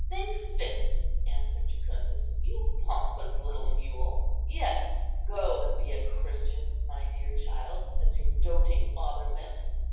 think fit!" answered Jucundus, "you pompous little mule! Yes, go and be a Christian, my dear child, as your doting father went.